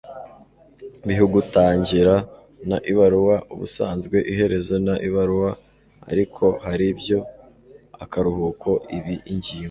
Bihugu Tangira na Ibaruwa Ubusanzwe Iherezo na Ibaruwa Ariko hari Ibyo akaruhuko Ibi Ingingo